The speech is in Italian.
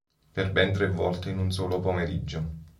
Per ben tre volte in un solo pomeriggio.